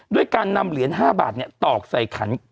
ด้วยการนำเหรียญห้าบาทเนี่ยตอกใส่ขัน